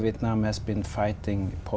vì vậy bác sĩ của tôi